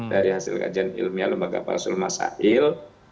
dari hasil kajian ilmiah lembaga palsu masahil